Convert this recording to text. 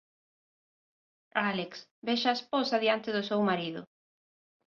Álex vexa a esposa diante do seu marido.